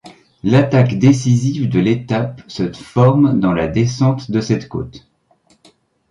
L'attaque décisive de l'étape se forme dans la descente de cette côte.